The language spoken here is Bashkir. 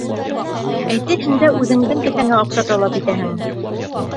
Әйтерһең дә, үҙеңдең кеҫәңә аҡса талап итәһең!